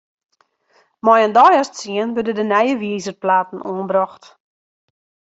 Mei in deis as tsien wurde de nije wizerplaten oanbrocht.